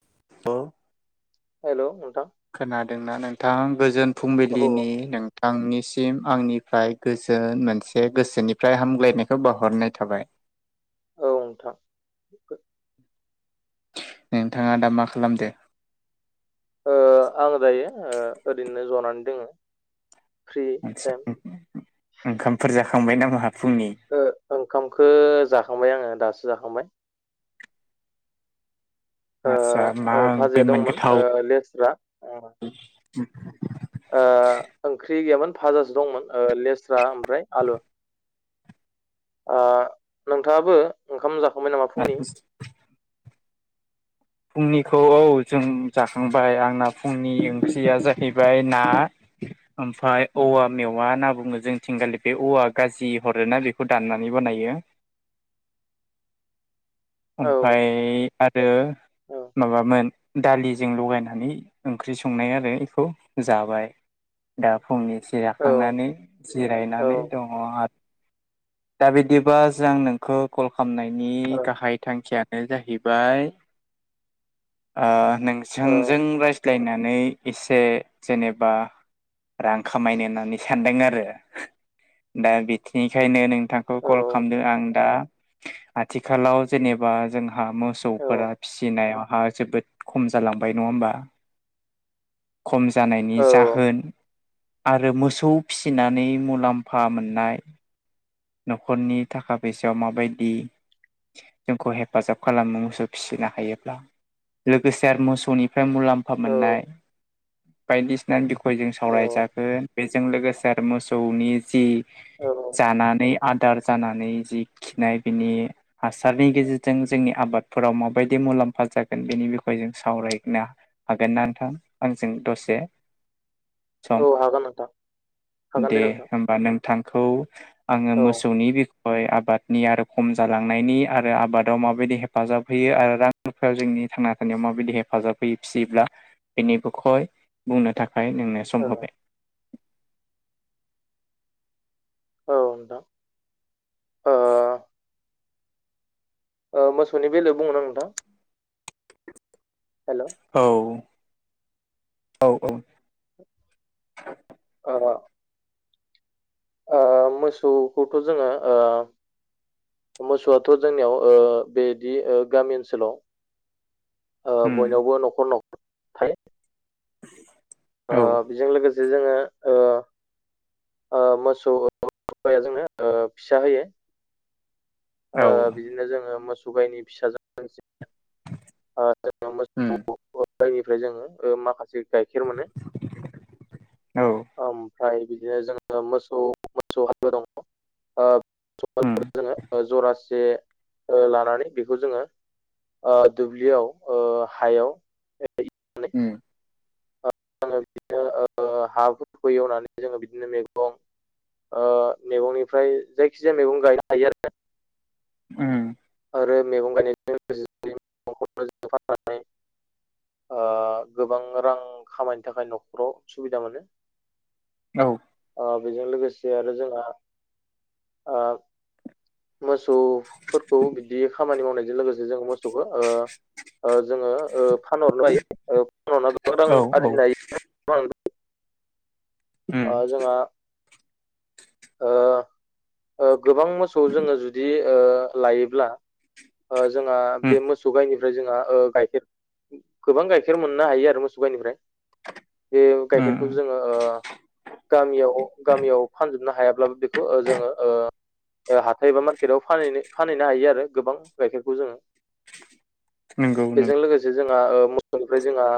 [unintelligible] Hello. खोनादोंना नोंथां गोजोन औ फुंबिलिनि नोंथां आंनिसिम आंनिफ्राय गोजोन मोनसे गोसोनिफ्राय हामग्लायनायखौ बावहरनाय थाबाय। औ नोंथां। नोंथाङा दा मा खालामदो। ओ आं दायो ओरैनो जनानै दोङो। फ्रि टाइम [unintelligible] ओंखामफोर जाखांबाय नाम ओ ओंखामखौ जाखांबाय आङो दासो जाखांबाय। ओ आदसा मा ओ ओंख्रि फाजाया दंमोन मोनगोथाव ओ लेस्रा ओ ओंख्रि गैयामोन भाजासो दंमोन ओ लेस्रा ओमफ्राय आलु। ओ नोंथाङाबो ओंखाम जा [unintelligible] फुंनिखौ औ जों जाखांबाय आंना फुंनि ओंख्रिया जाहैबाय ना। ओमफाय औवा मेवा होनना बुङो जों थिंगालि बे औवा गाजि हरो ना बेखौ दाननानै [unintelligible] औ ओमफाय आरो औ माबामोन दालिजों लगायनानै ओंख्रि संनाय आरो इखौ जाबाय। दा फुंनि औ जाखांनानै औ जिरायनानै दङ आरो। दा बिदिबा जोंं नोंखौ कल खालामनायनि औ गाहाय थांखियानो जाहैबाय ओ औ नोंजों रायज्लायनानै एसे जेनेबा रां खामायनो होननानै सानदों आरो दा [unintelligible] नों नोंथांखौ औ कल खालामदों आं दा आथिखालाव जेनेबा जोंहा औ मोसौफोरा फिनायावहा जोबोद खम जालांबाय नङा होमबा। खम जानायनि जाहोन आरो मोसौ फिसिनानै मुलाम्फा मोननाय न'खरनि थाखा फैसायाव माबायदि जोंखौ हेफाजाब खालामो मोसौ फिसिनो हायोब्ला लोगोसे आरो मोसौनिफ्राय मुलाम्फा मोननाय बायदिसिना फाय जों औ सावरायजागोन बेजों लोगोसे आरो मोसौनि जि औ जानानै आदार जानानै जि खिनाय बिनि हासारनि गेजेरजों जोंनि आबादफोराव माबायदि मुलाम्फा जागोन बेनि बिखय जों सावरायनो हागोन ना नोंथां आंजों दसे [inaudible] औ सम हागोन नोंथां हागोन दे नोंथां होमबा नोंथांखौ आङो औ मो सौनि बिखय आबादनि आरो खम जालांनायनि आरो आबादाव माबायदि हेफाजाब होयो आरो रां जोंनि थांना थानायाव माबायदि हेफाजाब होयो फिसियोब्ला बेनि बिखय बुंनो थाखाय नोंनो सम औ होबाय औ नोंथां ओ [inaudible] ओ मोसौनि बेलायाव बुंनो ना नोंथां हेल' औ औ औ [unintelligible] ओ मोसौखौथ जोङो ओ मोसौआथ जोंनियाव ओ बेदि ओ गामि ओनसोलाव ओ उम बयनावबो नखर नखर थायो [inaudible] ओ औ बेजों लोगोसे जोङो ओ ओ मोसौ गाइया जोंनो ओ फिसा होयो ओ औ बिदिनो जोङो मोसौ गाइनि फिसाजों ओ जोङो उम मोसौ गाइनिफ्राय जोङो माखासे गाइखेर मानो औ ओम फ्राय बिदिनो जोङो मोसौ मोसौ हालुआ दङ उम ओ [unintelligible] जरासे ओ लानानै बेखौ जोङो ओ दुब्लियाव ओ हायाव ओम जोङो बिदिनो ओ हाफोरखौ एवनानै जोङो बिदिनो मैगं ओ मैगंनिफ्राय जायखिजाया मैगं गायनो हायो आरो ओम आरो मैगं गायनायजों [unintelligible] ओ गोबां रां खामायनो थाखाय नखराव सुबिदा मोनो औ ओ बेजों लोगोसे आरो जोंहा ओ मोसौफोरखौ बिदि खामानि मावनायजों लोगोसे जों मोसौखो ओ ओ जोङो ओ फानहरनोबो हायो फानहरना गोबां औ रां आरजिनो औ हायो। उम ओ जोंहा ओ ओ गोबां मोसौ जोङो जुदि ओ लायोब्ला ओ जोंहा उम बे मोसौ गाइनिफ्राय जोंहा ओ गाइखेर गोबां गाइखेर मोननो हायो आरो मोसौ गाइनिफ्राय बे गाइखेरखौ उम जोङो गामियाव गामियाव फानजोबनो हायाब्लाबो बेखौ ओ जोङो ओ ओ हाथाय एबा मार्केटाव फानहैनो फानहैनो हायो आरो गोबां गाइखेरखौ जोङो नंगौ नों बेजों लोगोसे जोंहा ओ मोसौनिफ्राय जोंहा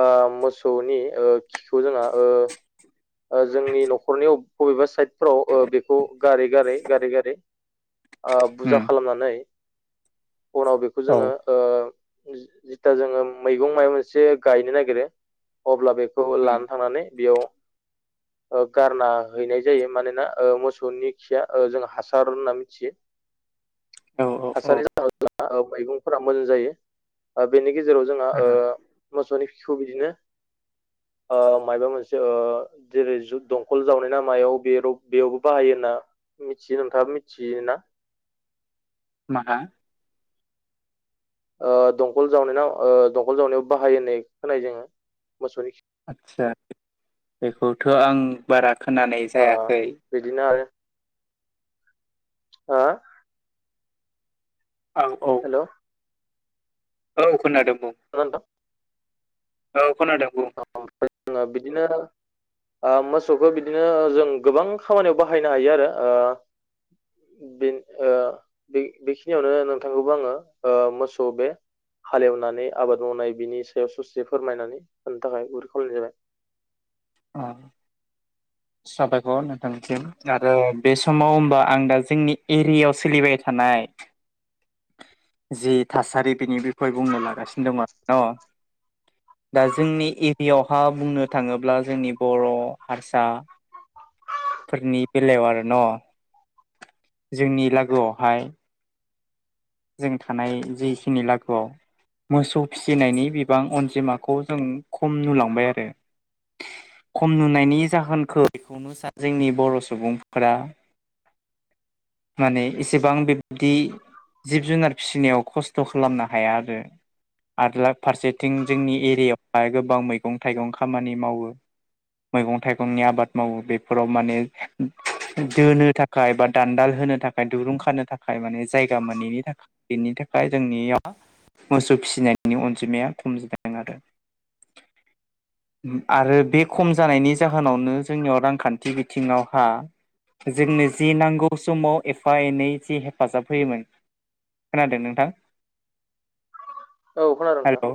ओ मोसौनि ओ खिखौ जोंहा ओ [inaudible] ओ जोंनि नखरनि अबेबा साइदफ्राव बेखौ गारै गारै गारै गारै ओ बुजा उम खालामनानै उनाव बेखौ औ जोङो ओ जिथिया जोङो मैगं मायबा मोनसे गायनो नागिरो अब्ला बेखौ उम लानो थांनानै बेयाव [inaudible] ओ गारना हैनाय जायो। मानोना ओ मोसौनि खिया ओ जों हासार होनना मिथियो। [inaudible] औ हासार औ [unintelligible] औ मैगंफोरा मोजां जायो। ओ बेनि गेजेराव जोंहा ओ मोसौनि खिखौ बिदिनो ओ मायबा मोनसे ओ जेरै जुद दंखल जावनाय ना मायाव बे रग बेयावबो बाहायो ना मिथियो, नोंथाङाबो मिथियोना? माहा? ओ दंखल जावनायनाव ओ दंखल जावनायाव बाहाय होननाय खोनाय जोङो। मोसौनि खि आदसा बेखौथ' आं बारा खोनानाय ओ जायाखै। बिदिनो आरो हा? आव औ। हेल' औ खोनादों। बुं [unintelligible] औ। खोनादों बुं [unintelligible] बिदिनो ओ मोसौखौ बिदिनो ओ जों गोबां खामानियाव बाहायनो हायो आरो। ओ बिन ओ बे-बेखिनियावनो नोंथांखौबो आङो ओ मोसौ बे हालेवनानै आबाद मावनाय बिनि सायाव सुसे फोरमायनानै होनो थाखाय गुरै खावलायनाय जाबाय। अ साबायखर नोंथांनिसिम आरो बे समाव ओमबा आं दा जोंनि एरियायाव सोलिबाय थाना नाय जि थासारि बिनि बि कय बुंनो लागासिनो दङ' दा जोंनि एरियावहा बुंनो थाङोब्ला जोंनि बर' हारसा फोरनि बेलायाव आरो न' जोंनि लागोआवहाय जों थानाय जिखिनि लागुआव मोसौ फिसिनायनि बिबां अनजिमाखौ जों खम नुलांबाय आरो। खम नुनायनि जाहोनखौ बेखौनो सान जोंनि बर' सुबुंफोरा माने इसेबां बिब्दि जिब जुनार फिसिनायाव खस्थ' खालामना हाया आरो। आठ लाख फारसेथिं जोंनि एरियायावहाय गोबां मैगं थाइगं खामानि मावो। मैगं थाइगंनि आबाद मावो बेफोराव माने दोनो थाखाय बा दान्दाल होनो थाखाय दुरुं खानो थाखाय माने जायगा मोनैनि थाखाय बेनि थाखाय जोंनिया मोसौ फिसिनायनि अनजिमाया खम जादों आरो आरो बे खम जानायनि जाहोनावनो जोंनियाव रांखान्थि बिथिङावहा जोंनो जि नांगौ फैयोमोन। खोनादों नोंथां? औ खोनादों नोंथां। हेलौ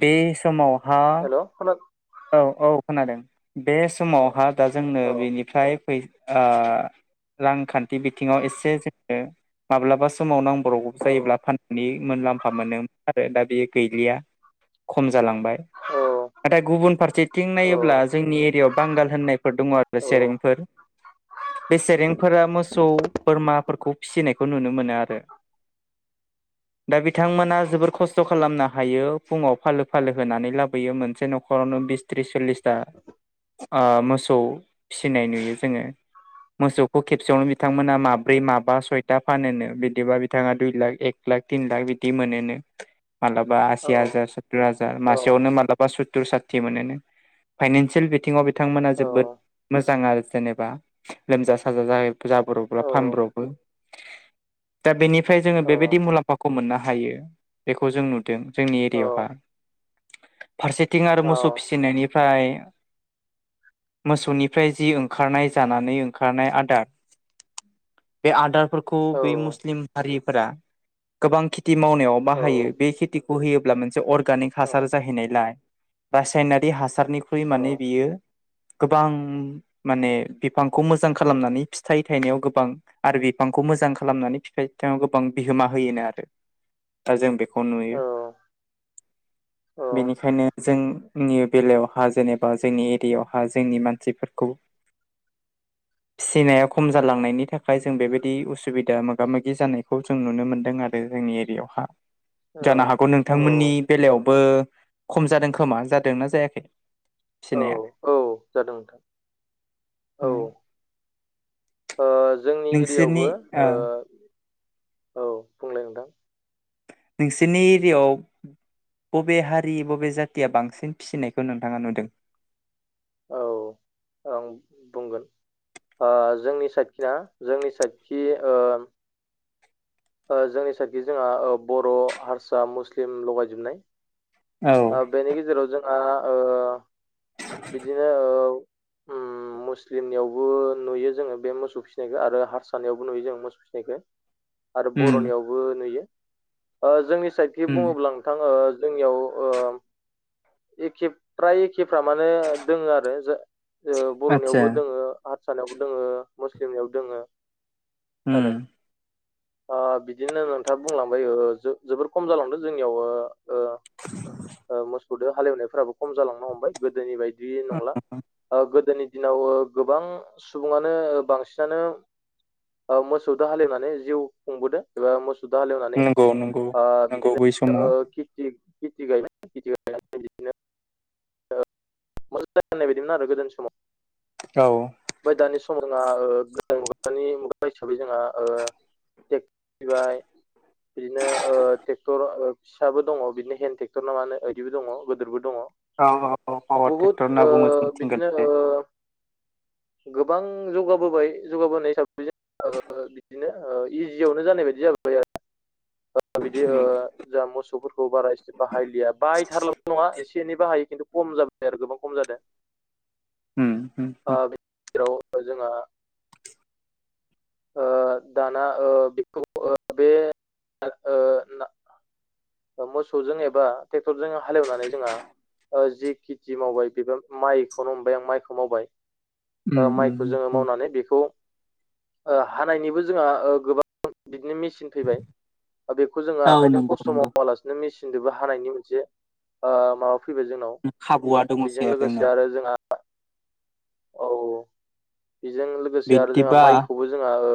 बे समाव हेलौ खोनादों? औ औ खोनादों बे औ समावहा दा जोंनो औ बेनिफ्राय फै ओ रांखान्थि बिथिङाव एसे जोङो माब्लाबा समाव नां गौ औ जायोब्ला फाननिनै मोनलाम्फा मोननो आरो दा बे गैयलिया ख जालांबाय औ नाथाय गुबुन फारसेथिं औ नायोब्ला जोंनि एरियायाव बांगाल होननायफोर दङ आरो सेरेंफोर बे सेरेंफोरा मोसौ बोरमाफोरखौ फिसिनायखौ नुनो मोनो आरो [inaudible] दा बिथांमोना जोबोर खस्थ खालामना हायो फुङाव फालो फालो होनानै लाबोयो मोनसे नखरावनो बिस त्रिस सल्लिसथा ओ मोसौ फिसिनाय नुयो जोङो मोसौखौ खेबसेयावनो बिथांमोना माब्रै माबा सय था फानोनो बिदिबा बिथाङा दुइ लाख एक लाख तिन लाख बिदि मोनोनो। मालाबा औ आसि हाजार सुत्तुर हाजार औ मासेयावनो मालाबा सुत्तुर सा थि मोनोनो फायनानसियेल बिथिङाव बिथांमोना जोबोद मोजां आरो जेनेबा लोमजा साजा जाब्रब्ला औ फानब्र'बो दा बेनिफ्राय जोङो औ बेबायदि मुलाम्फाखौ मोननो हायो बेखौ जों नुदों जोंनि एरियावहा। फारसेथिटिं आरो मौसौ थिनायनिफ्राय मोसौनिफ्राय जि ओंखारनाय जाना नै ओंखारनाय आदार बे आदार फोरखौ बे मुस्लिम हारिफोरा गोबां खेथि मावनायाव बाहायो बे खेथिखौ होयोब्ला मोनसे अर्गानिक हासार जाहैनायलाय रासायनारि हासारनिख्रुइ औ माने बियो गोबां माने बिफांखौ मोजां खालामनानै फिथाइ थायनायाव गोबां आरो बिफां खौ मोजां खालामनानै फिथाइ थाइनायाव गोबां बिहोमा होयोनो आरो। दा जों बे खौ औ नुयो औ बेनिखायनो जों नि बेलायावहा जेनेबा जोंनि एरियायावहा जोंनि मानसिफोरखौ फिसिनाया खम जालांनायनि थाखाय जों बेबायदि उसुबिदा मोगा मोगि जानायखौ जों नुनो मोनदों आरो। जोंनि एरियावहा। औ जानो हागौ औ नोंथांमोननि बेलायावबो खम जादों खोमा जादोंना जायाखै? औ फिसिनाया औ जादों नोंथां। औ उम ओ जोंनि एरियायावबो ओ औ बुंलाय नोंथां? नोंसोरनि एरियाआव बबे हारि बबे जातिया बांसिन फिसिनायखौ नोंथाङा नुदों? [inaudible] औ आं बुंगोन आ जोंनि साइडखि ना जोंनि साइडखि ओ ओ जोंनि साइडखि जोंहा ओ बर' हारसा मुस्लिम लगायजोबनाय। औ बेनि गेजेराव जोंहा ओ बिदिनो औ [inaudible] मुस्लिमनियावबो नुयो जोङो बे मोसौ फिसिनायखौ आरो हारसानियावबो नुयो जों मोसौ फिसिनायखौ। आरो उम बर'नियावबो नुयो ओ जोंनि साइडखि बुङोब्ला नोंथां ओ जोंनियाव ओ एखे फ्राय एखेफ्रामानो दङ आरो ओ आतसा बर'नियावबो दोङो हारसानायावबो दोङो मुस्लिमनियाव दोङो। आरो उम ओ बिदिनो नोंथाङा बुंलांबाय ओ जोबोर खम जालांदों जोंनियाव ओ ओ ओ मोसौदो हालेवनायफोराबो खम जालांनो हमबाय गोदोनि बायदि नंला। ओ गोदोनि दिनाव ओ गोबां सुबुङानो ओ बांसिनानो मोसौदो हालेवनानै जिउ खुंबोदों एबा मो सौ हालेवनानै नंगौ नंगौ आ नंगौ बिदिनो बै समाव ओ खेथि खेथि गायनानै बिदिनो [unintelligible] मोजां होननाय बायदिमोन आरो गोदोनि समाव औ ओमफ्राय दानि समाव [inaudible] नि मुगा हिसाबै जोंहा ओ बाय बिदिनो ओ ट्रेक्टर फिसाबो दङ बिदिनो हेन्द ट्रेक्टर ना मा होनो ओदिबो दङ गोदोरबो दङ औ औ औ पावार बहुद ट्रेक्टर होनना ओ बुङो जों थिं बिदिनो ओ गालैजाय गोबां जौगाबोबाय जौगाबोनाय हिसाबै बिदिनो इजियावनो जानाय बायदि जाबोबाय आरो बिदि उम जा मोसौफोरखौ बारा एसे बाहायलिया बाहायथारलाबो' नंङा एसे एनै बाहायो खिन्थु खम जाबाय आरो गोबां खम जादों उम उम ओ उम जेराव जोंहा ओ दाना ओ बेखौ बे ओ ला मोसौजों एबा ट्रेक्टरजों हालेवनानै जोंहा ओ जि खेथि मावबाय बेबो माइखौनो हमबाय आं माइखौ मावबाय उम माइखौ उम जोंङो उम मावनानै बेखौ ओ हानायनिबो जोंहा ओ गोबां बिदिनो मिसिं सिन फैबाय बेखौ जोंङो औ आखाइजों नंगौ खस्थ' माव नंगौ हारसिं मेसिनजोंबो हानायनि मोनसे ओ माबा फैबाय जोंनाव खाबुआ दङसै बेजों जोंनाव लोगोसे आरो जोंहा औ बेजों लोगोसे आरो जोंहा बिब्दिबा माइखौबो जोंहा ओ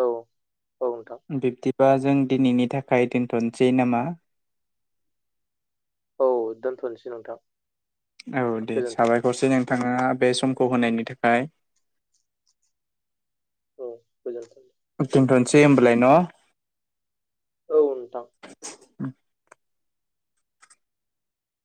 औ औ नोंथां। बा जों दिनैनि थाखाय दोनथ'नोसै नामा औ दोनथ'नोसै नोंथां औ दे गोजोन्थों साबायखरसै नोंथाङा बे समखौ होनायनि थाखाय औ गोजोन्थों दोनथ'सै होमबालाय न' औ नोंथां उम